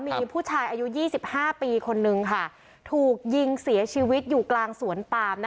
มีผู้ชายอายุ๒๕ปีคนนึงค่ะถูกยิงเสียชีวิตอยู่กลางสวนปาม